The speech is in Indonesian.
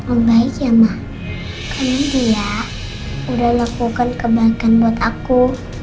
om baik ya ma karena dia sudah melakukan kebaikan buat aku